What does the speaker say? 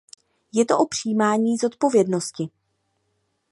Je to o přijímání zodpovědnosti.